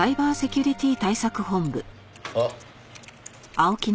あっ。